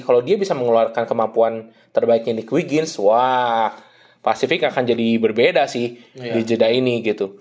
kalau dia bisa mengeluarkan kemampuan terbaiknya di quigins wah pasifik akan jadi berbeda sih di jeda ini gitu